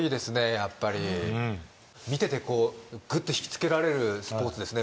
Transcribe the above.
やっぱり見ててグッと引きつけられるスポーツですね